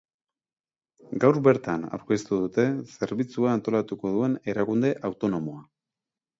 Gaur bertan aurkeztu dute zerbitzua antolatuko duen erakunde autonomoa.